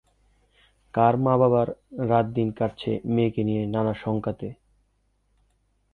কার মা বাবার রাত দিন কাটছে মেয়েকে নিয়ে নানা শংকাতে?